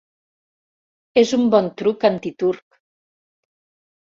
És un bon truc antiturc.